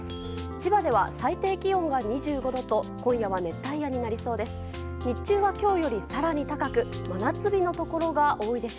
千葉では最低気温が２５度と今夜は熱帯夜になりそうです。